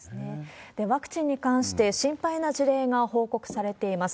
ワクチンに関して、心配な事例が報告されています。